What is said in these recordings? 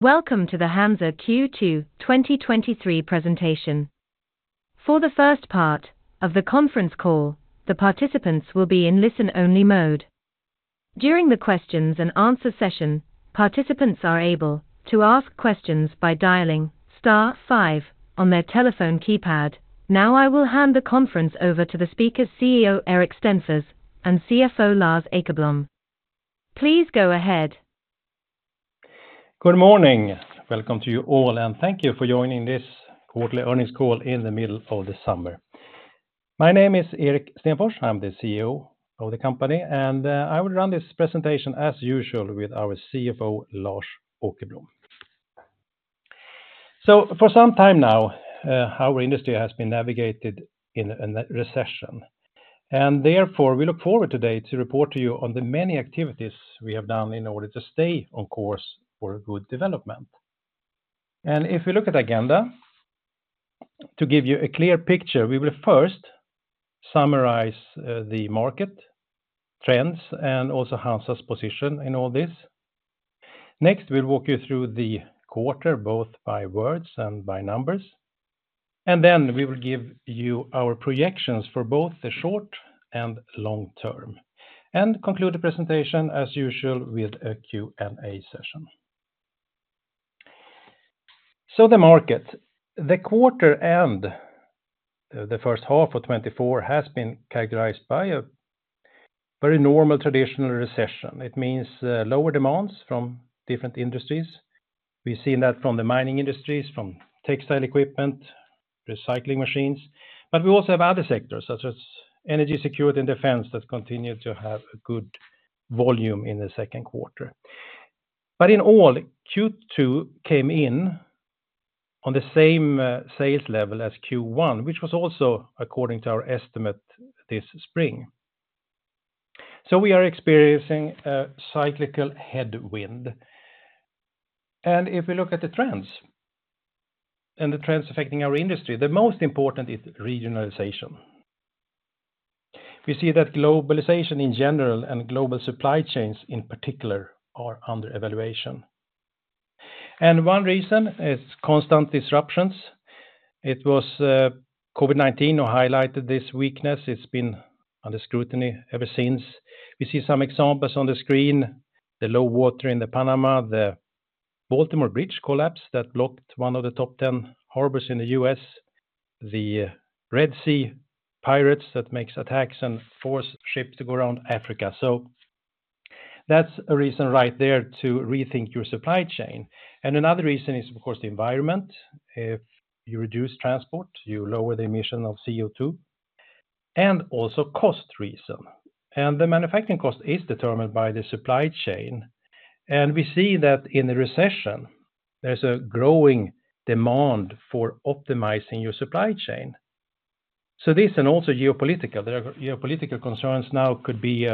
Welcome to the HANZA Q2 2023 presentation. For the first part of the conference call, the participants will be in listen-only mode. During the questions and answer session, participants are able to ask questions by dialing star five on their telephone keypad. Now, I will hand the conference over to the speakers, CEO Erik Stenfors and CFO Lars Åkerblom. Please go ahead. Good morning. Welcome to you all, and thank you for joining this quarterly earnings call in the middle of the summer. My name is Erik Stenfors. I'm the CEO of the company, and I will run this presentation as usual with our CFO, Lars Åkerblom. So for some time now, our industry has been navigated in a recession, and therefore, we look forward today to report to you on the many activities we have done in order to stay on course for a good development. If you look at the agenda, to give you a clear picture, we will first summarize the market trends and also HANZA's position in all this. Next, we'll walk you through the quarter, both by words and by numbers. And then we will give you our projections for both the short and long term, and conclude the presentation, as usual, with a Q&A session. So the market. The quarter and the first half of 2024 has been characterized by a very normal, traditional recession. It means, lower demands from different industries. We've seen that from the mining industries, from textile equipment, recycling machines, but we also have other sectors such as energy security and defense, that continue to have a good volume in the Q2. But in all, Q2 came in on the same sales level as Q1, which was also according to our estimate this spring. So we are experiencing a cyclical headwind. And if we look at the trends and the trends affecting our industry, the most important is regionalization. We see that globalization in general and global supply chains, in particular, are under evaluation, and one reason is constant disruptions. It was COVID-19 who highlighted this weakness. It's been under scrutiny ever since. We see some examples on the screen, the low water in the Panama, the Baltimore bridge collapse that blocked one of the top ten harbors in the US, the Red Sea pirates that makes attacks and force ships to go around Africa. So that's a reason right there to rethink your supply chain. And another reason is, of course, the environment. If you reduce transport, you lower the emission of CO₂, and also cost reason. And the manufacturing cost is determined by the supply chain, and we see that in the recession, there's a growing demand for optimizing your supply chain. So this and also geopolitical. The geopolitical concerns now could be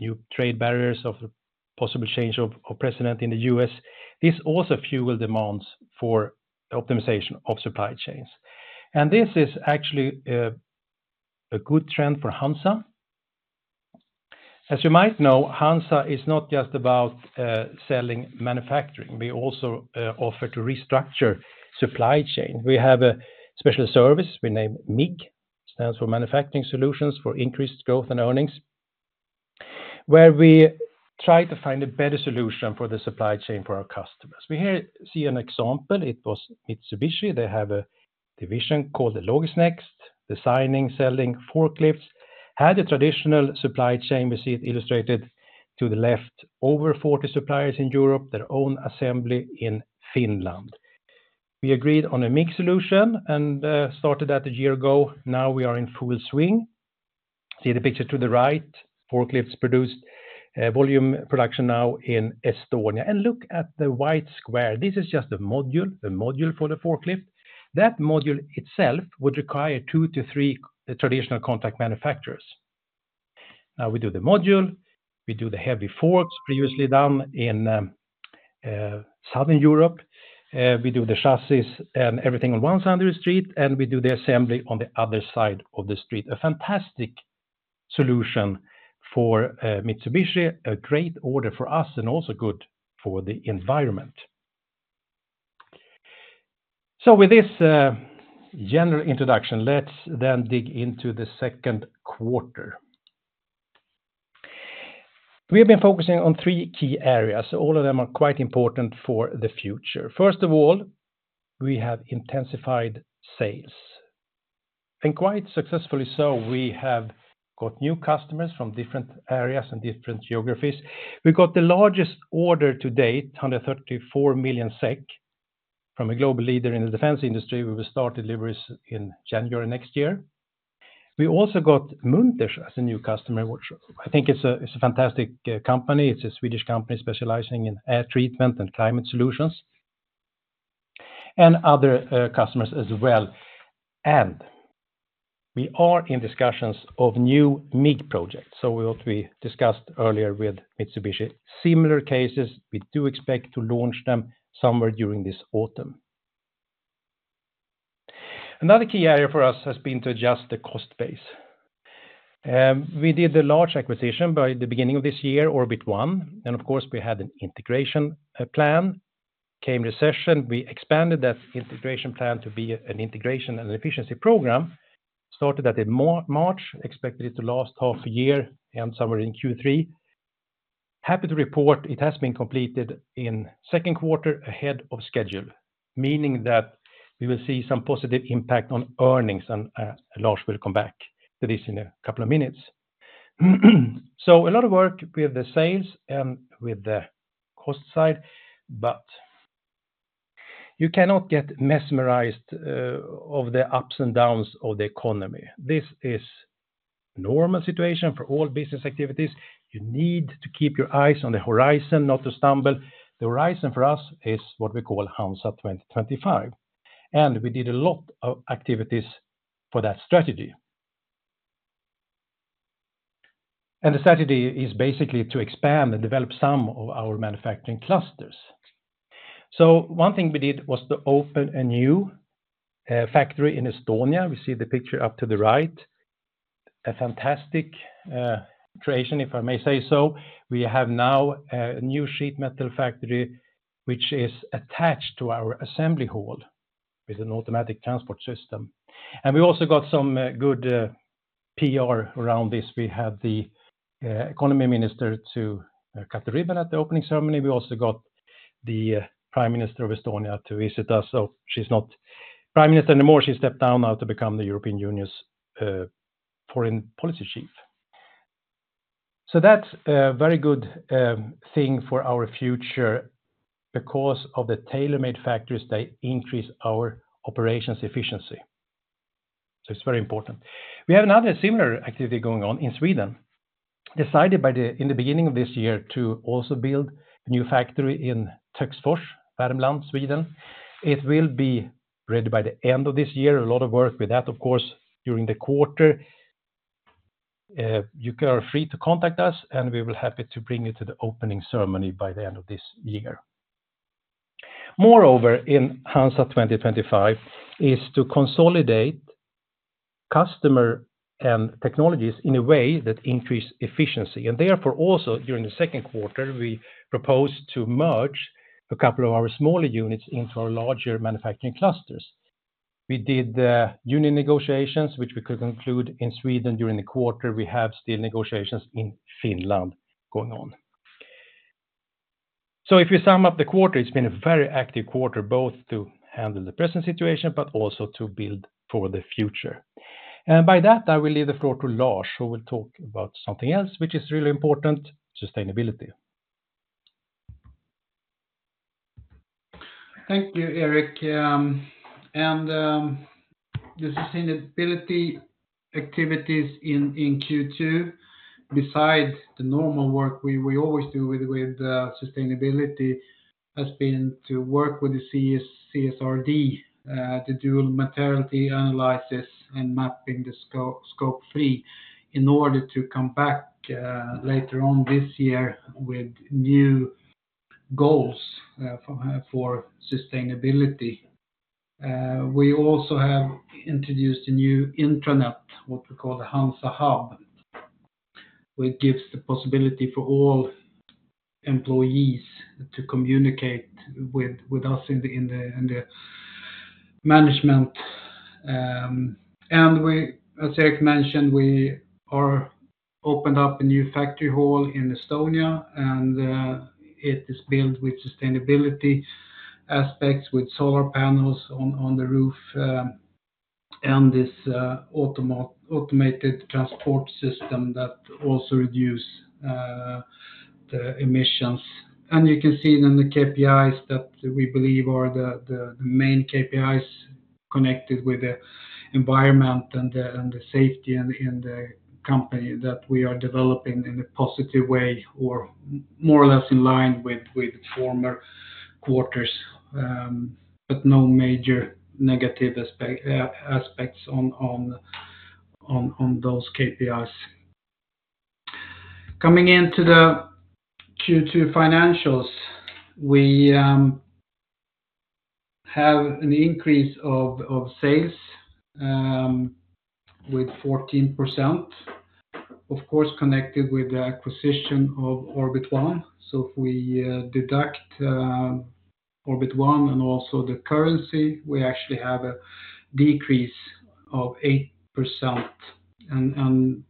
new trade barriers of the possible change of, of president in the U.S. This also fuel demands for optimization of supply chains, and this is actually a good trend for HANZA. As you might know, HANZA is not just about selling, manufacturing. We also offer to restructure supply chain. We have a special service we name MIG, stands for Manufacturing Solutions for Increased Growth and Earnings, where we try to find a better solution for the supply chain for our customers. We here see an example. It was Mitsubishi. They have a division called the LogisNext, designing, selling forklifts. Had a traditional supply chain. We see it illustrated to the left, over 40 suppliers in Europe, their own assembly in Finland. We agreed on a mixed solution and started that a year ago. Now we are in full swing. See the picture to the right. Forklifts produced, volume production now in Estonia. And look at the wide square. This is just the module, the module for the forklift. That module itself would require 2-3 traditional contract manufacturers. Now, we do the module, we do the heavy forks, previously done in, Southern Europe. We do the chassis and everything on one side of the street, and we do the assembly on the other side of the street. A fantastic solution for, Mitsubishi, a great order for us, and also good for the environment. So with this, general introduction, let's then dig into the Q2. We have been focusing on three key areas. All of them are quite important for the future. First of all, we have intensified sales, and quite successfully so. We have got new customers from different areas and different geographies. We got the largest order to date, 134 million SEK, from a global leader in the defense industry. We will start deliveries in January next year. We also got Munters as a new customer, which I think it's a, it's a fantastic, company. It's a Swedish company specializing in air treatment and climate solutions, and other, customers as well. And we are in discussions of new MIG projects. So what we discussed earlier with Mitsubishi, similar cases, we do expect to launch them somewhere during this autumn. Another key area for us has been to adjust the cost base. We did a large acquisition by the beginning of this year, Orbit One, and of course, we had an integration, plan. Came recession, we expanded that integration plan to be an integration and efficiency program. Started that in March, expected it to last half a year, end somewhere in Q3. Happy to report it has been completed in Q2 ahead of schedule, meaning that we will see some positive impact on earnings, and, Lars will come back to this in a couple of minutes. So a lot of work with the sales and with the cost side, but you cannot get mesmerized of the ups and downs of the economy. This is normal situation for all business activities. You need to keep your eyes on the horizon, not to stumble. The horizon for us is what we call HANZA 2025, and we did a lot of activities for that strategy. And the strategy is basically to expand and develop some of our manufacturing clusters. So one thing we did was to open a new factory in Estonia. We see the picture up to the right. A fantastic creation, if I may say so. We have now a new sheet metal factory, which is attached to our assembly hall with an automatic transport system. And we also got some good PR around this. We had the economy minister to cut the ribbon at the opening ceremony. We also got the Prime Minister of Estonia to visit us, so she's not prime minister anymore. She stepped down now to become the European Union's foreign policy chief. So that's a very good thing for our future because of the tailor-made factories, they increase our operations efficiency, so it's very important. We have another similar activity going on in Sweden. Decided in the beginning of this year to also build a new factory in Töcksfors, Värmland, Sweden. It will be ready by the end of this year. A lot of work with that, of course, during the quarter. You are free to contact us, and we will be happy to bring you to the opening ceremony by the end of this year. Moreover, in HANZA 2025, is to consolidate customer and technologies in a way that increase efficiency. And therefore, also, during the Q2, we proposed to merge a couple of our smaller units into our larger manufacturing clusters. We did the union negotiations, which we could conclude in Sweden during the quarter. We have still negotiations in Finland going on. So if you sum up the quarter, it's been a very active quarter, both to handle the present situation, but also to build for the future. By that, I will leave the floor to Lars, who will talk about something else which is really important, sustainability. Thank you, Erik. And the sustainability activities in Q2, besides the normal work we always do with sustainability, has been to work with the CSRD to do materiality analysis and mapping the Scope 3 in order to come back later on this year with new goals for sustainability. We also have introduced a new intranet, what we call the HANZA Hub, which gives the possibility for all employees to communicate with us in the management. And we, as Erik mentioned, we are opened up a new factory hall in Estonia, and it is built with sustainability aspects, with solar panels on the roof, and this automated transport system that also reduce the emissions. You can see it in the KPIs that we believe are the main KPIs connected with the environment and the safety in the company that we are developing in a positive way, or more or less in line with former quarters. But no major negative aspects on those KPIs. Coming into the Q2 financials, we have an increase of sales with 14%, of course, connected with the acquisition of Orbit One. So if we deduct Orbit One and also the currency, we actually have a decrease of 8%. And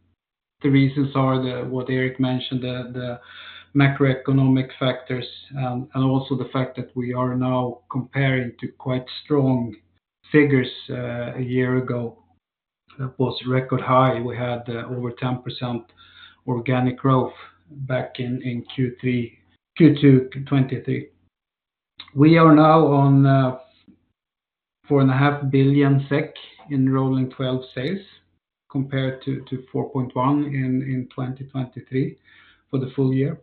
the reasons are what Erik mentioned, the macroeconomic factors, and also the fact that we are now comparing to quite strong figures. A year ago, that was record high. We had over 10% organic growth back in Q2 2023. We are now on 4.5 billion SEK in rolling twelve sales, compared to 4.1 billion SEK in 2023 for the full year.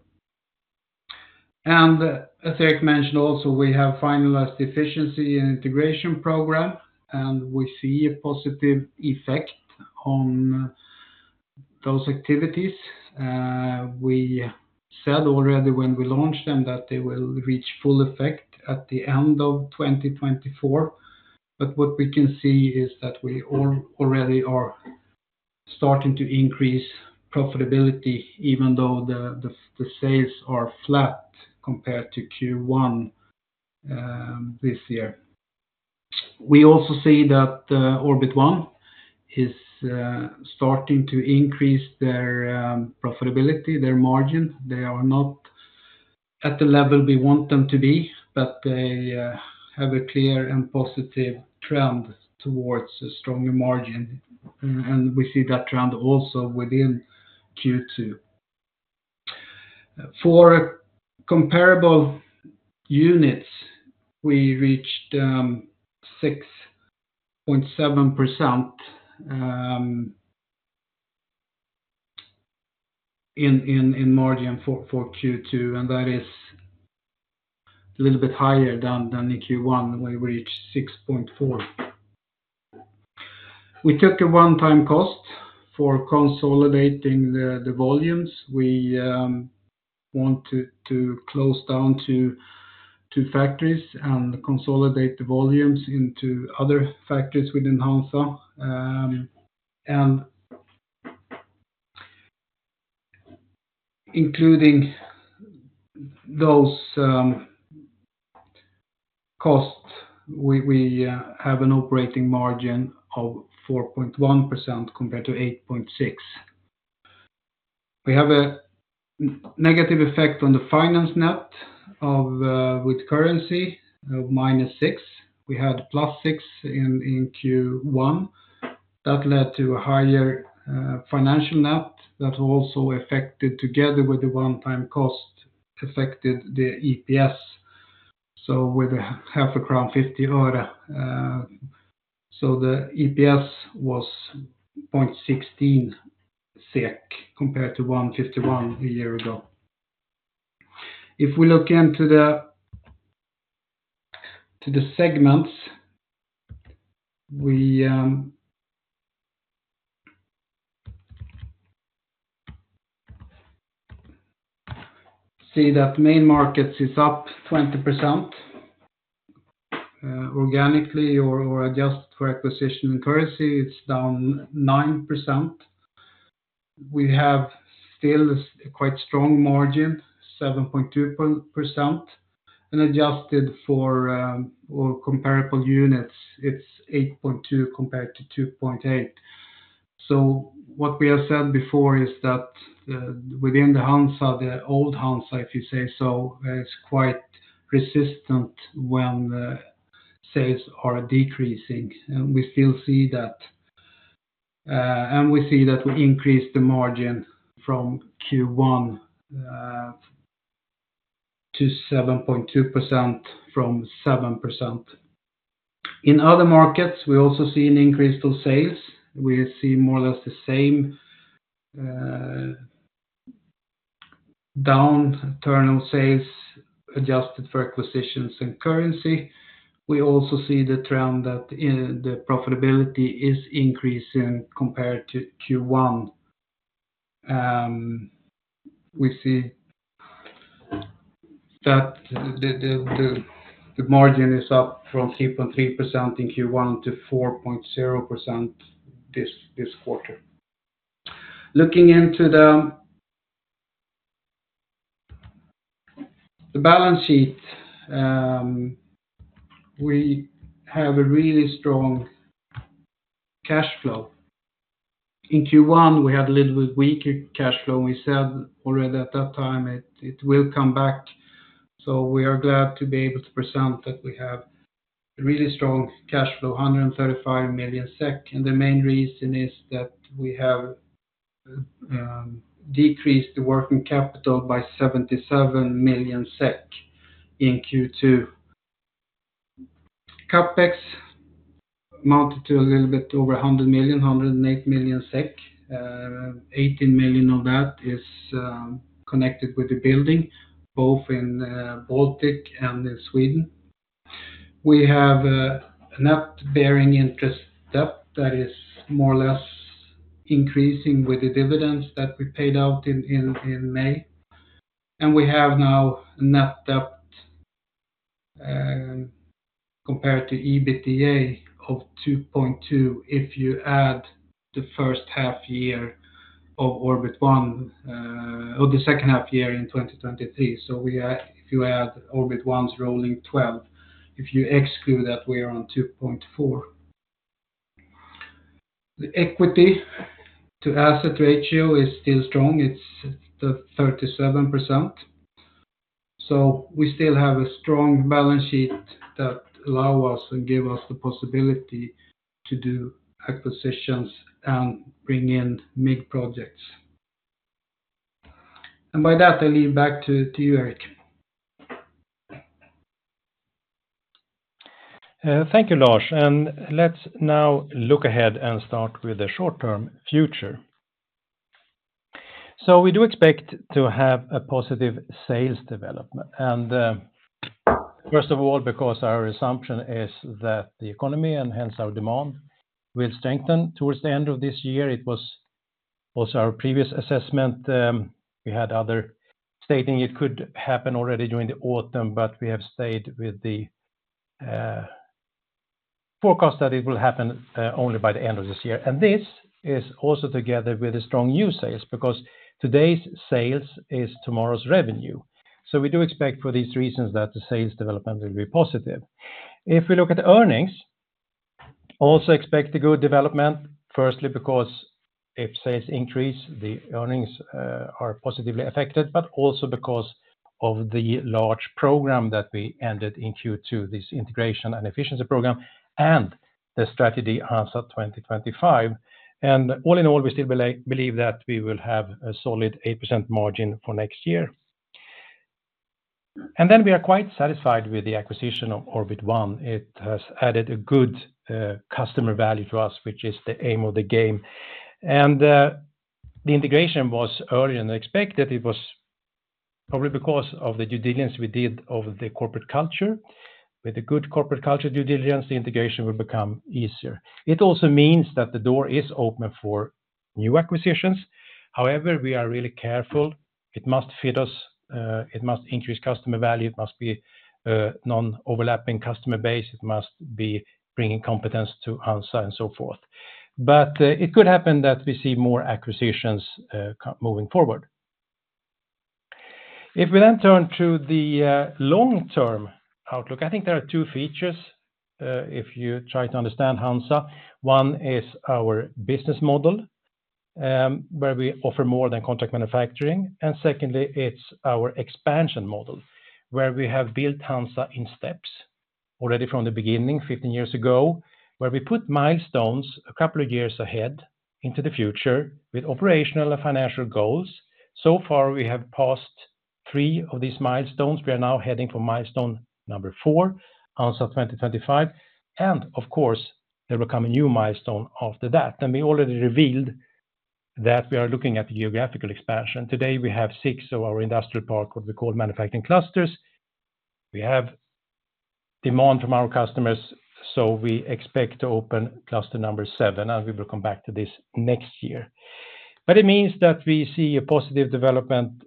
And as Eric mentioned, also, we have finalized efficiency and integration program, and we see a positive effect. Those activities, we said already when we launched them that they will reach full effect at the end of 2024. But what we can see is that we already are starting to increase profitability, even though the sales are flat compared to Q1 this year. We also see that Orbit One is starting to increase their profitability, their margin. They are not at the level we want them to be, but they have a clear and positive trend towards a stronger margin, and we see that trend also within Q2. For comparable units, we reached 6.7% in margin for Q2, and that is a little bit higher than in Q1, we reached 6.4%. We took a one-time cost for consolidating the volumes. We want to close down 2 factories and consolidate the volumes into other factories within HANZA. And including those costs, we have an operating margin of 4.1% compared to 8.6%. We have a negative effect on the finance net of with currency of -6. We had +6 in Q1. That led to a higher financial net that also affected, together with the one-time cost, affected the EPS, so with 0.5 crown 50 öre. So the EPS was 0.16 SEK, compared to 1.51 SEK a year ago. If we look into the segments, we see that main markets is up 20%. Organically, or adjusted for acquisition and currency, it's down 9%. We have still a quite strong margin, 7.2%, and adjusted for or comparable units, it's 8.2 compared to 2.8. So what we have said before is that, within the HANZA, the old HANZA, if you say so, it's quite persistent when the sales are decreasing, and we still see that. And we see that we increased the margin from Q1 to 7.2% from 7%. In other markets, we also see an increase to sales. We see more or less the same, down internal sales, adjusted for acquisitions and currency. We also see the trend that the profitability is increasing compared to Q1. We see that the margin is up from 3.3% in Q1 to 4.0% this quarter. Looking into the balance sheet, we have a really strong cash flow. In Q1, we had a little bit weaker cash flow, and we said already at that time, it will come back. So we are glad to be able to present that we have a really strong cash flow, 135 million SEK, and the main reason is that we have decreased the working capital by 77 million SEK in Q2. CapEx mounted to a little bit over 100 million, 108 million SEK. 18 million of that is connected with the building, both in the Baltics and in Sweden. We have a net interest-bearing debt that is more or less increasing with the dividends that we paid out in May. And we have now a net debt, compared to EBITDA of 2.2, if you add the first half year of Orbit One, or the second half year in 2023. So we add—if you add Orbit One's rolling twelve, if you exclude that, we are on 2.4. The equity to asset ratio is still strong, it's at 37%. So we still have a strong balance sheet that allow us and give us the possibility to do acquisitions and bring in big projects. And by that, I leave back to you, Erik. Thank you, Lars. Let's now look ahead and start with the short-term future. So we do expect to have a positive sales development. First of all, because our assumption is that the economy, and hence our demand, will strengthen towards the end of this year. It was also our previous assessment. We had others stating it could happen already during the autumn, but we have stayed with the forecast that it will happen only by the end of this year. And this is also together with a strong new sales, because today's sales is tomorrow's revenue. So we do expect for these reasons that the sales development will be positive. If we look at the earnings, also expect a good development, firstly because if sales increase, the earnings, are positively affected, but also because of the large program that we ended in Q2, this integration and efficiency program, and the strategy HANZA 2025. And all in all, we still believe that we will have a solid 8% margin for next year. And then we are quite satisfied with the acquisition of Orbit One. It has added a good customer value to us, which is the aim of the game. And the integration was earlier than expected. It was probably because of the due diligence we did over the corporate culture. With a good corporate culture due diligence, the integration will become easier. It also means that the door is open for new acquisitions. However, we are really careful. It must fit us, it must increase customer value, it must be non-overlapping customer base, it must be bringing competence to HANZA and so forth. But it could happen that we see more acquisitions, so moving forward. If we then turn to the long-term outlook, I think there are two features if you try to understand HANZA. One is our business model, where we offer more than contract manufacturing, and secondly, it's our expansion model, where we have built HANZA in steps. Already from the beginning, 15 years ago, where we put milestones a couple of years ahead into the future with operational and financial goals. So far, we have passed 3 of these milestones. We are now heading for milestone number 4, HANZA 2025, and of course, there will come a new milestone after that. And we already revealed that we are looking at the geographical expansion. Today, we have six of our industrial park, what we call manufacturing clusters. We have demand from our customers, so we expect to open cluster number seven, and we will come back to this next year. But it means that we see a positive development,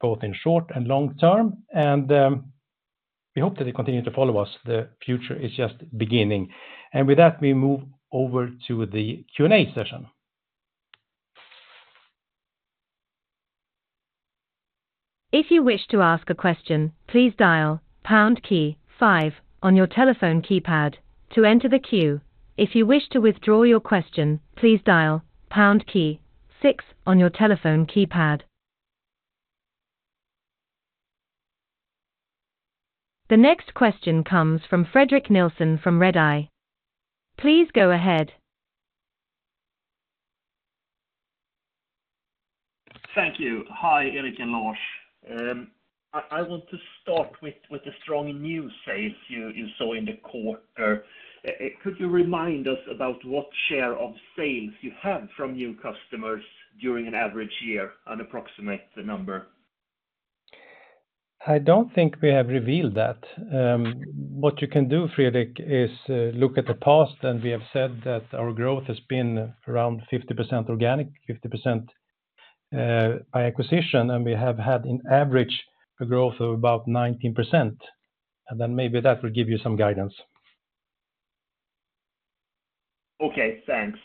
both in short and long term, and we hope that you continue to follow us. The future is just beginning. And with that, we move over to the Q&A session. If you wish to ask a question, please dial pound key five on your telephone keypad to enter the queue. If you wish to withdraw your question, please dial pound key six on your telephone keypad. The next question comes from Fredrik Nilsson from Redeye. Please go ahead. Thank you. Hi, Erik and Lars. I want to start with the strong new sales you saw in the quarter. Could you remind us about what share of sales you have from new customers during an average year and approximate the number? I don't think we have revealed that. What you can do, Fredrik, is look at the past, and we have said that our growth has been around 50% organic, 50% by acquisition, and we have had an average growth of about 19%, and then maybe that will give you some guidance. Okay, thanks.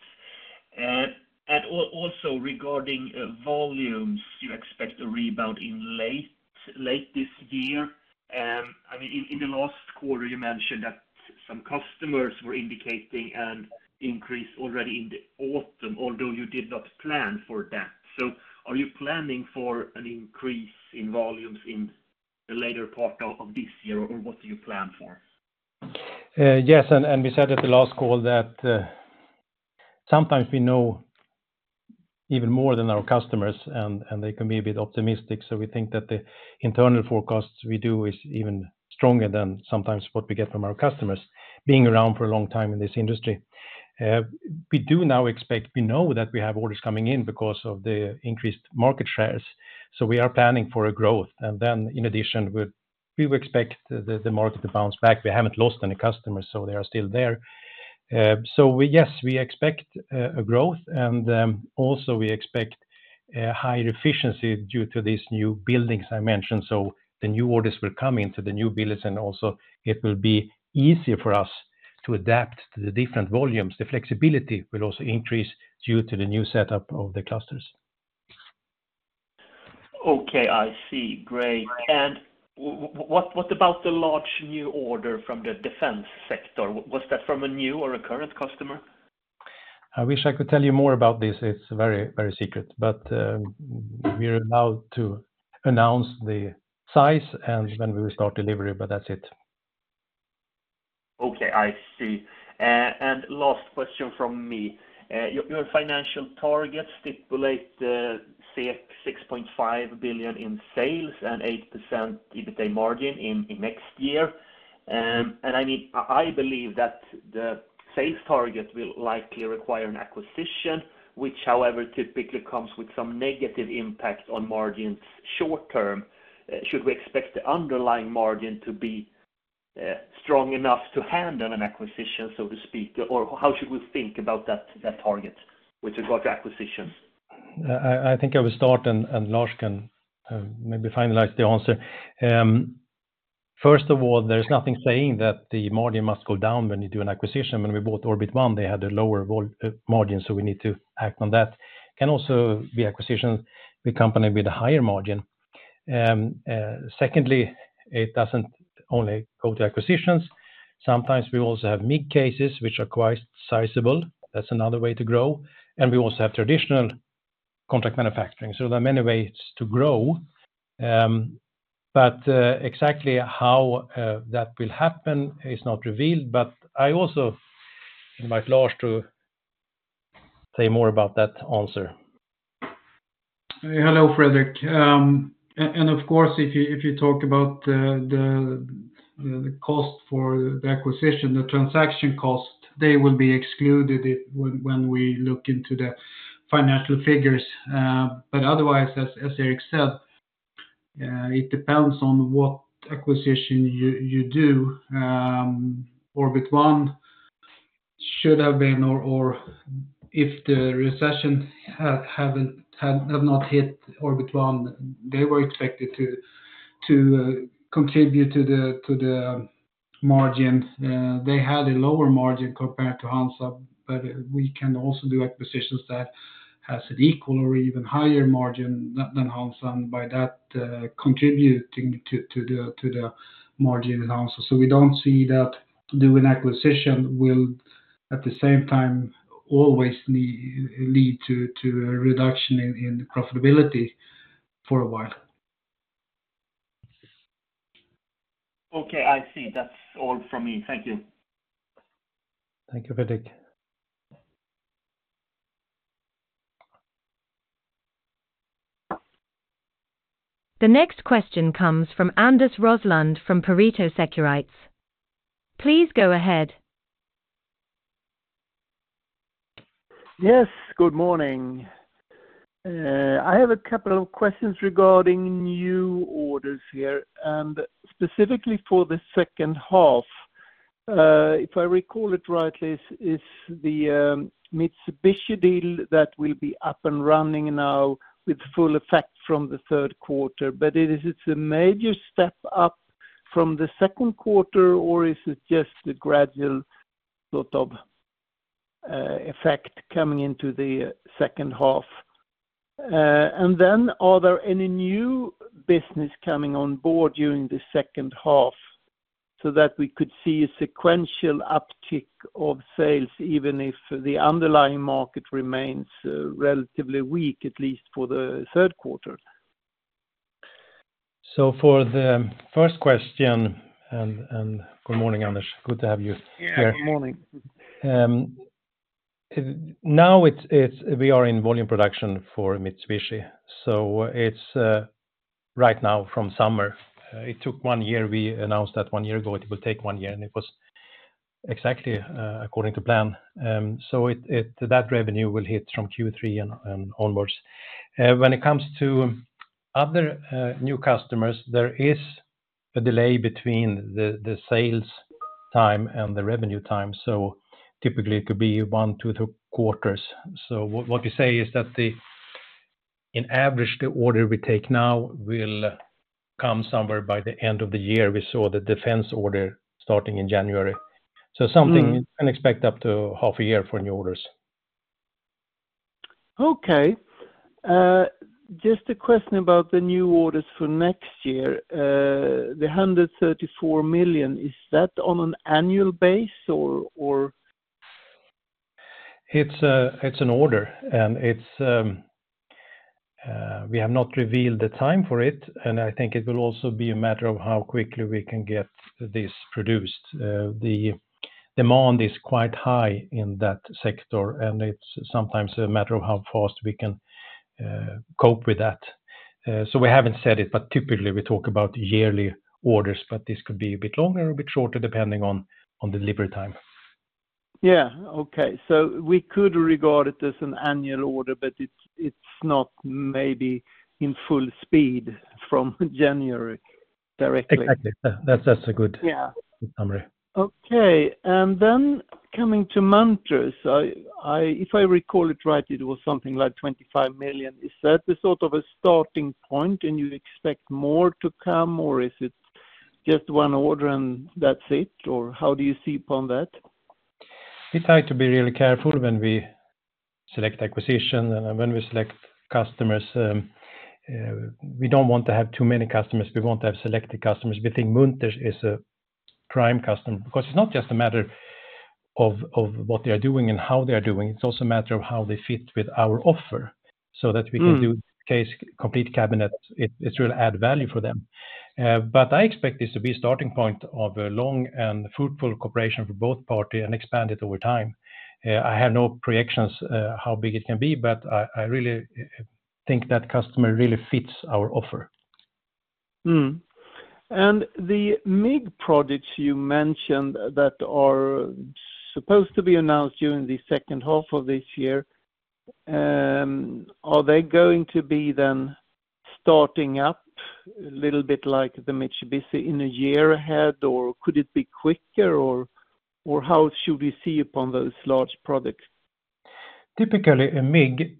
And also, regarding volumes, you expect a rebound in late this year. I mean, in the last quarter, you mentioned that some customers were indicating an increase already in the autumn, although you did not plan for that. So are you planning for an increase in volumes in the later part of this year, or what do you plan for? Yes, and we said at the last call that sometimes we know even more than our customers, and they can be a bit optimistic. So we think that the internal forecasts we do is even stronger than sometimes what we get from our customers, being around for a long time in this industry. We do now expect, we know that we have orders coming in because of the increased market shares, so we are planning for a growth. And then in addition, we expect the market to bounce back. We haven't lost any customers, so they are still there. Yes, we expect a growth, and also we expect higher efficiency due to these new buildings I mentioned. The new orders will come into the new buildings, and also it will be easier for us to adapt to the different volumes. The flexibility will also increase due to the new setup of the clusters. Okay, I see. Great. And what, what about the large new order from the defense sector? Was that from a new or a current customer? I wish I could tell you more about this. It's very, very secret, but, we're allowed to announce the size and when we will start delivery, but that's it. Okay, I see. And last question from me. Your financial targets stipulate 6.5 billion in sales and 8% EBITA margin in next year. And I mean, I believe that the sales target will likely require an acquisition, which, however, typically comes with some negative impact on margins short term. Should we expect the underlying margin to be strong enough to handle an acquisition, so to speak? Or how should we think about that target with regard to acquisitions? I think I will start, and Lars can maybe finalize the answer. First of all, there's nothing saying that the margin must go down when you do an acquisition. When we bought Orbit One, they had a lower margin, so we need to act on that. Can also be acquisition with company with a higher margin. Secondly, it doesn't only go to acquisitions. Sometimes we also have mid cases, which are quite sizable. That's another way to grow. And we also have traditional contract manufacturing, so there are many ways to grow. But exactly how that will happen is not revealed. But I also invite Lars to say more about that answer. Hello, Fredrik. And of course, if you talk about the cost for the acquisition, the transaction cost, they will be excluded when we look into the financial figures. But otherwise, as Erik said, it depends on what acquisition you do. Orbit One should have been, or if the recession had not hit Orbit One, they were expected to contribute to the margins. They had a lower margin compared to HANZA, but we can also do acquisitions that has an equal or even higher margin than HANZA, and by that, contributing to the margin in HANZA. So we don't see that doing acquisition will, at the same time, always lead to a reduction in profitability for a while. Okay, I see. That's all from me. Thank you. Thank you, Fredrik. The next question comes from Anders Roslund from Pareto Securities. Please go ahead. Yes, good morning. I have a couple of questions regarding new orders here, and specifically for the second half. If I recall it rightly, is the Mitsubishi deal that will be up and running now with full effect from the Q3? But it is, it's a major step up from the Q2, or is it just a gradual sort of effect coming into the second half? And then are there any new business coming on board during the second half so that we could see a sequential uptick of sales, even if the underlying market remains relatively weak, at least for the Q3? So for the first question, and good morning, Anders. Good to have you here. Yeah, good morning. Now we are in volume production for Mitsubishi, so it's right now from summer. It took 1 year. We announced that 1 year ago, it will take 1 year, and it was exactly according to plan. So that revenue will hit from Q3 and onwards. When it comes to other new customers, there is a delay between the sales time and the revenue time, so typically it could be 1-2 quarters. So what you say is that on average, the order we take now will come somewhere by the end of the year. We saw the defense order starting in January. Mm. So, something, and expect up to half a year for new orders. Okay. Just a question about the new orders for next year. The 134 million, is that on an annual basis or, or? It's an order, and we have not revealed the time for it, and I think it will also be a matter of how quickly we can get this produced. The demand is quite high in that sector, and it's sometimes a matter of how fast we can cope with that. So we haven't said it, but typically we talk about yearly orders, but this could be a bit longer or a bit shorter, depending on delivery time. Yeah. Okay. So we could regard it as an annual order, but it's, it's not maybe in full speed from January directly. Exactly. That's a good- Yeah... summary. Okay. And then coming to Munters, if I recall it right, it was something like 25 million. Is that the sort of a starting point, and you expect more to come, or is it just one order, and that's it, or how do you see upon that? We try to be really careful when we select acquisition and when we select customers. We don't want to have too many customers. We want to have selected customers. We think Munters is a prime customer because it's not just a matter of what they are doing and how they are doing, it's also a matter of how they fit with our offer, so that- Mm... we can do case, complete cabinet. It will add value for them. But I expect this to be a starting point of a long and fruitful cooperation for both party and expand it over time. I have no projections how big it can be, but I really think that customer really fits our offer. Mm-hmm. The MIG projects you mentioned that are supposed to be announced during the second half of this year, are they going to be then starting up a little bit like the Mitsubishi in a year ahead, or could it be quicker, or how should we see upon those large products? Typically, a MIG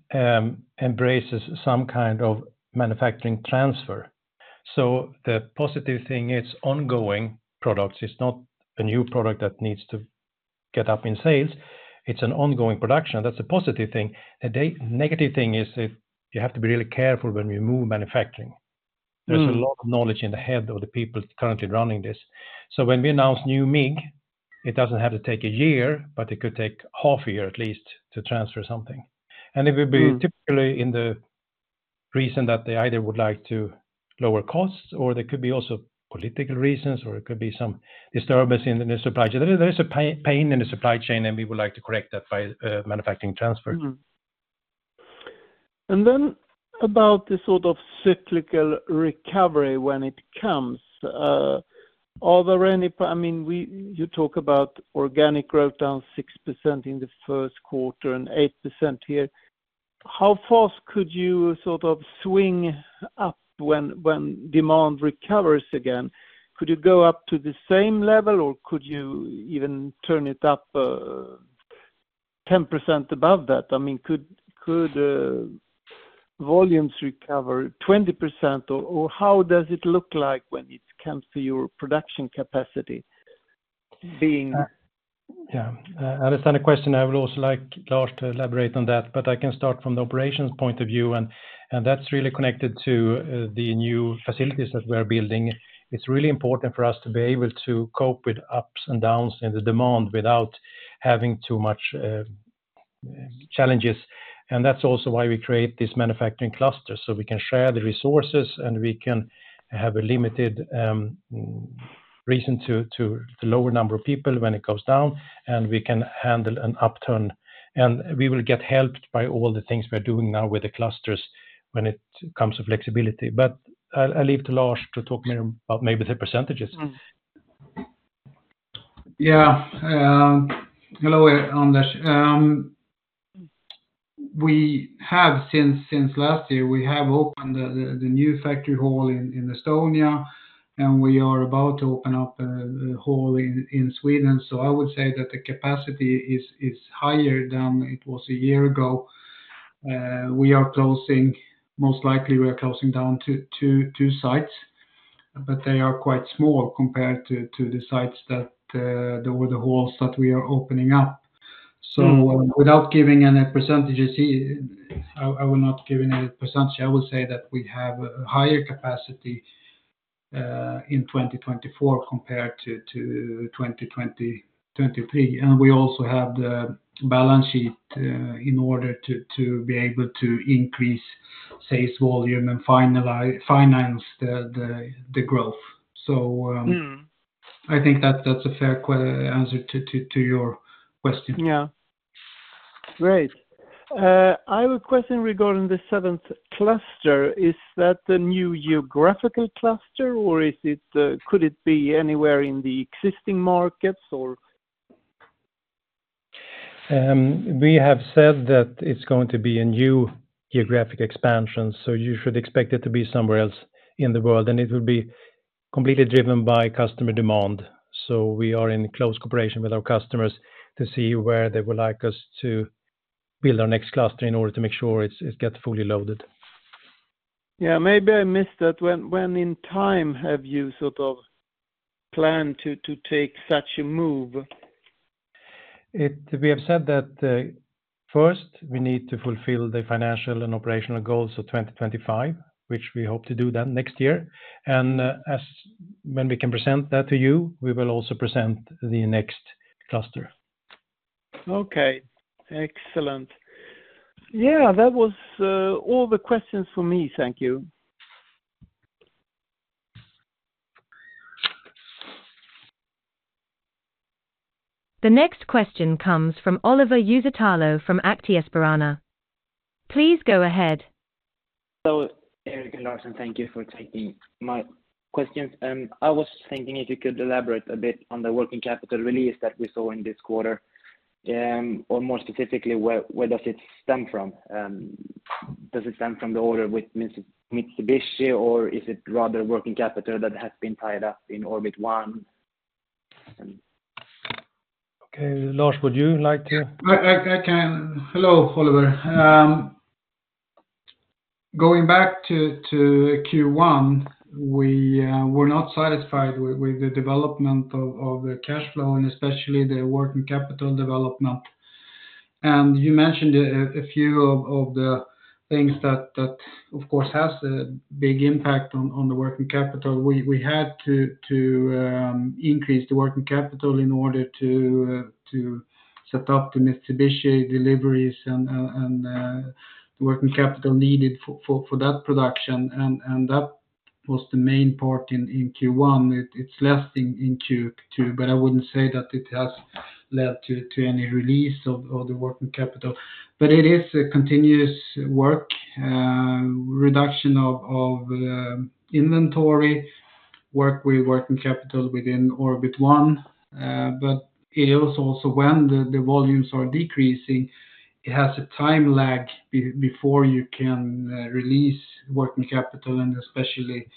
embraces some kind of manufacturing transfer. So the positive thing, it's ongoing products. It's not a new product that needs to get up in sales. It's an ongoing production. That's a positive thing. The negative thing is if you have to be really careful when you move manufacturing. Mm. There's a lot of knowledge in the head of the people currently running this. So when we announce new MIG, it doesn't have to take a year, but it could take half a year at least to transfer something. Mm. It would be typically the reason that they either would like to lower costs, or there could be also political reasons, or it could be some disturbance in the supply chain. There is a pain in the supply chain, and we would like to correct that by manufacturing transfer. Mm-hmm. And then about the sort of cyclical recovery when it comes, I mean, you talk about organic growth down 6% in the Q1 and 8% here. How fast could you sort of swing up when demand recovers again? Could you go up to the same level, or could you even turn it up 10% above that? I mean, could volumes recover 20%, or how does it look like when it comes to your production capacity being? Yeah. I understand the question. I would also like Lars to elaborate on that, but I can start from the operations point of view, and that's really connected to the new facilities that we are building. It's really important for us to be able to cope with ups and downs in the demand without having too much challenges. And that's also why we create this manufacturing cluster, so we can share the resources, and we can have a limited reason to the lower number of people when it goes down, and we can handle an upturn. And we will get helped by all the things we are doing now with the clusters when it comes to flexibility. But I'll leave to Lars to talk more about maybe the percentages. Mm. Yeah, hello, Anders. We have, since last year, we have opened the new factory hall in Estonia, and we are about to open up a hall in Sweden. So I would say that the capacity is higher than it was a year ago. We are closing, most likely, we are closing down two sites, but they are quite small compared to the sites that or the halls that we are opening up. Mm. So without giving any percentages, I will not give any percentage. I will say that we have a higher capacity in 2024 compared to 2023. And we also have the balance sheet in order to be able to increase sales volume and finance the growth. So- Mm. I think that that's a fair answer to your question. Yeah. Great. I have a question regarding the seventh cluster. Is that a new geographical cluster, or is it, could it be anywhere in the existing markets, or? We have said that it's going to be a new geographic expansion, so you should expect it to be somewhere else in the world, and it will be completely driven by customer demand. So we are in close cooperation with our customers to see where they would like us to build our next cluster in order to make sure it gets fully loaded. Yeah, maybe I missed that. When in time have you sort of planned to take such a move? We have said that, first, we need to fulfill the financial and operational goals for 2025, which we hope to do that next year. And, as when we can present that to you, we will also present the next cluster. Okay, excellent. Yeah, that was all the questions for me. Thank you. The next question comes from Oliver Uusitalo from Aktiespararna. Please go ahead. Erik and Lars Åkerblom, thank you for taking my questions. I was thinking if you could elaborate a bit on the working capital release that we saw in this quarter, or more specifically, where does it stem from? Does it stem from the order with Mitsubishi, or is it rather working capital that has been tied up in Orbit One? Okay, Lars, would you like to- Hello, Oliver. Going back to Q1, we were not satisfied with the development of the cash flow and especially the working capital development. You mentioned a few of the things that, of course, has a big impact on the working capital. We had to increase the working capital in order to set up the Mitsubishi deliveries and the working capital needed for that production and that was the main part in Q1. It's less in Q2, but I wouldn't say that it has led to any release of the working capital. It is a continuous work, reduction of inventory, work with working capital within Orbit One. But it is also when the volumes are decreasing, it has a time lag before you can release working capital and especially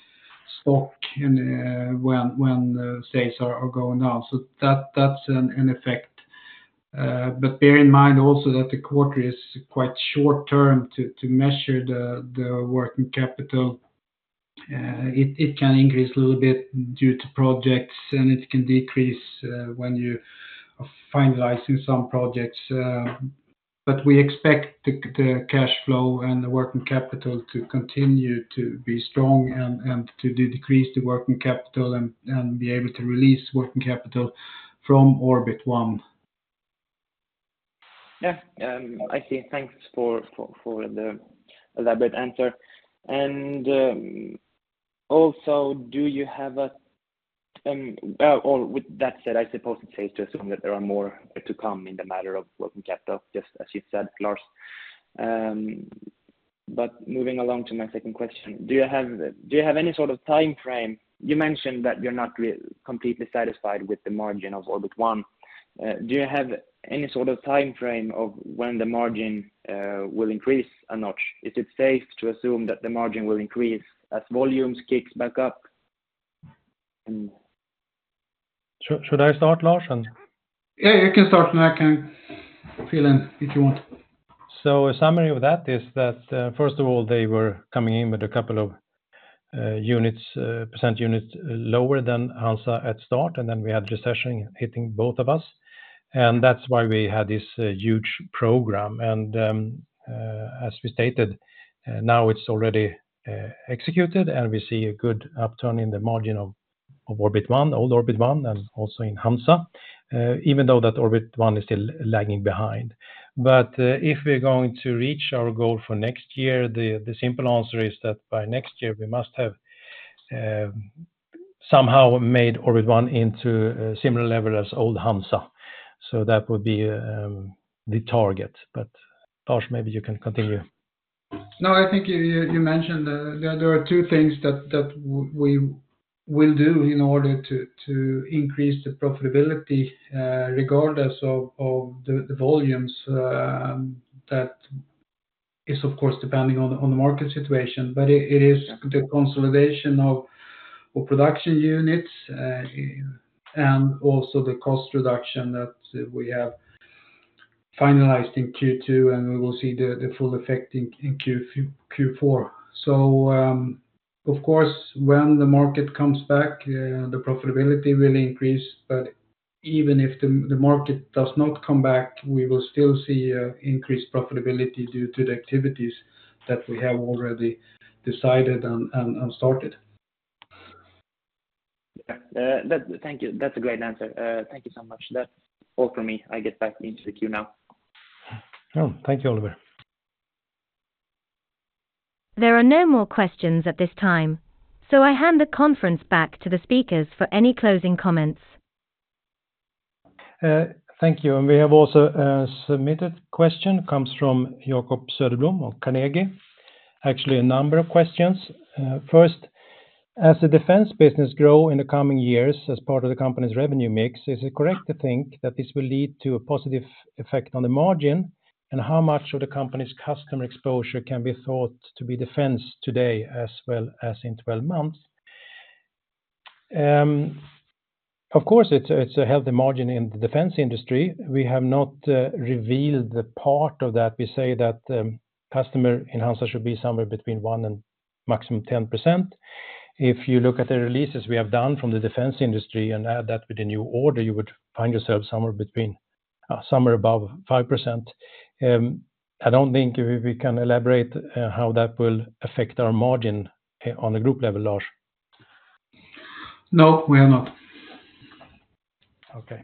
stock in when sales are going down. So that's an effect. But bear in mind also that the quarter is quite short term to measure the working capital. It can increase a little bit due to projects, and it can decrease when you are finalizing some projects. But we expect the cash flow and the working capital to continue to be strong and to decrease the working capital and be able to release working capital from Orbit One. Yeah. I see. Thanks for the elaborate answer. And also, with that said, I suppose it's safe to assume that there are more to come in the matter of working capital, just as you said, Lars. But moving along to my second question: do you have any sort of timeframe? You mentioned that you're not completely satisfied with the margin of Orbit One. Do you have any sort of timeframe of when the margin will increase a notch? Is it safe to assume that the margin will increase as volumes kicks back up? Should I start, Lars, and- Yeah, you can start, and I can fill in if you want. So a summary of that is that, first of all, they were coming in with a couple of units, percent units lower than HANZA at start, and then we had recession hitting both of us, and that's why we had this huge program. And, as we stated, now it's already executed, and we see a good upturn in the margin of Orbit One, old Orbit One, and also in HANZA, even though that Orbit One is still lagging behind. But, if we're going to reach our goal for next year, the simple answer is that by next year, we must have somehow made Orbit One into a similar level as old HANZA. So that would be the target. But, Lars, maybe you can continue. No, I think you mentioned there are two things that we will do in order to increase the profitability regardless of the volumes, that is, of course, depending on the market situation. But it is the consolidation of production units and also the cost reduction that we have finalized in Q2, and we will see the full effect in Q3, Q4. So, of course, when the market comes back, the profitability will increase, but even if the market does not come back, we will still see increased profitability due to the activities that we have already decided on and started. Yeah. Thank you. That's a great answer. Thank you so much. That's all for me. I get back into the queue now. Oh, thank you, Oliver. There are no more questions at this time, so I hand the conference back to the speakers for any closing comments. Thank you. And we have also a submitted question, comes from Jacob Sörblom of Carnegie. Actually, a number of questions. First, as the defense business grow in the coming years, as part of the company's revenue mix, is it correct to think that this will lead to a positive effect on the margin? And how much of the company's customer exposure can be thought to be defense today, as well as in twelve months? Of course, it's a healthy margin in the defense industry. We have not revealed the part of that. We say that, customer in HANZA should be somewhere between 1 and maximum 10%. If you look at the releases we have done from the defense industry and add that with the new order, you would find yourself somewhere between, somewhere above 5%. I don't think we, we can elaborate how that will affect our margin on a group level, Lars? No, we are not. Okay.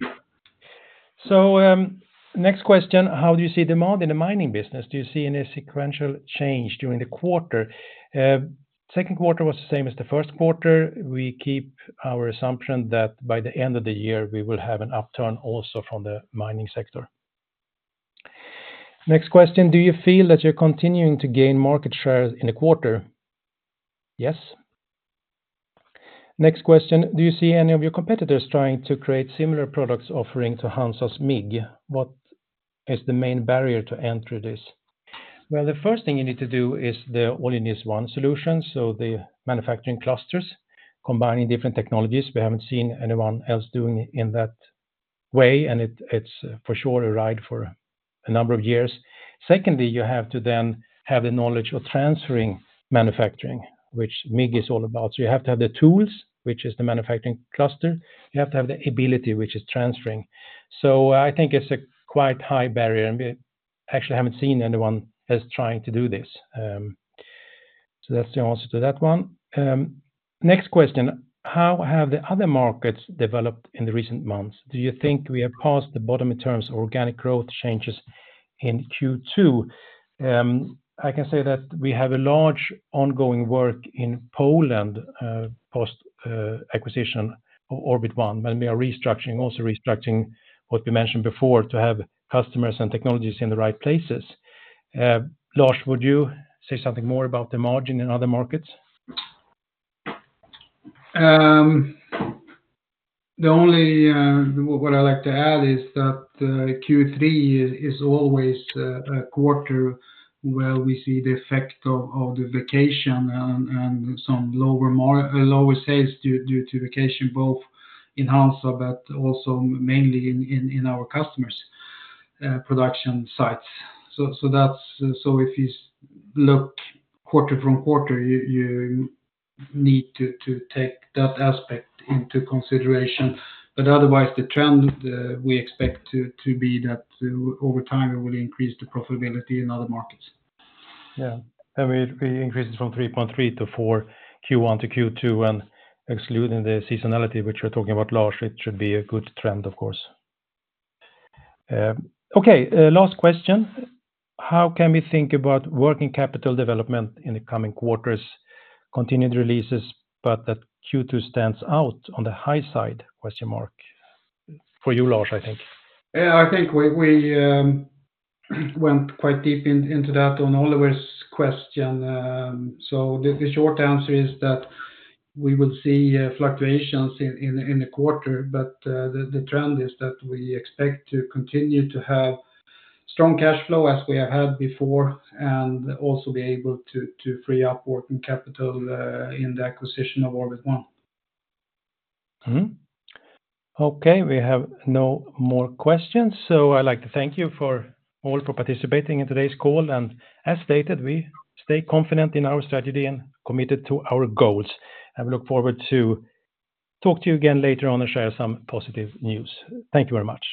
So, next question: How do you see demand in the mining business? Do you see any sequential change during the quarter? Q2 was the same as the Q1. We keep our assumption that by the end of the year, we will have an upturn also from the mining sector. Next question: Do you feel that you're continuing to gain market share in the quarter? Yes. Next question: Do you see any of your competitors trying to create similar products offering to HANZA's MIG? What is the main barrier to enter this? Well, the first thing you need to do is the all-in-one solution, so the manufacturing clusters, combining different technologies. We haven't seen anyone else doing it in that way, and it's for sure a ride for a number of years. Secondly, you have to then have the knowledge of transferring manufacturing, which MIG is all about. So you have to have the tools, which is the manufacturing cluster. You have to have the ability, which is transferring. So I think it's a quite high barrier, and we actually haven't seen anyone else trying to do this. So that's the answer to that one. Next question: How have the other markets developed in the recent months? Do you think we are past the bottom in terms of organic growth changes?... in Q2. I can say that we have a large ongoing work in Poland, post acquisition of Orbit One, when we are restructuring, also restructuring what we mentioned before, to have customers and technologies in the right places. Lars, would you say something more about the margin in other markets? The only what I'd like to add is that Q3 is always a quarter where we see the effect of the vacation and some lower sales due to vacation, both in HANZA, but also mainly in our customers' production sites. So if you look quarter from quarter, you need to take that aspect into consideration. But otherwise, the trend we expect to be that over time it will increase the profitability in other markets. Yeah. And we, we increased it from 3.3 to 4, Q1 to Q2, and excluding the seasonality, which we're talking about, Lars, it should be a good trend, of course. Last question: How can we think about working capital development in the coming quarters? Continued releases, but that Q2 stands out on the high side? For you, Lars, I think. Yeah, I think we went quite deep into that on Oliver's question. So the short answer is that we will see fluctuations in the quarter, but the trend is that we expect to continue to have strong cash flow as we have had before, and also be able to free up working capital in the acquisition of Orbit One. Mm-hmm. Okay, we have no more questions, so I'd like to thank you all for participating in today's call. As stated, we stay confident in our strategy and committed to our goals, and we look forward to talk to you again later on and share some positive news. Thank you very much.